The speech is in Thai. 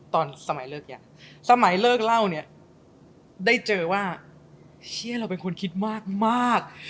ตอนสมัยเลิกยังสมัยเลิกเล่าเนี่ยได้เจอว่าเฮียเราเป็นคนคิดมาก